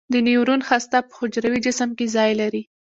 د نیورون هسته په حجروي جسم کې ځای لري.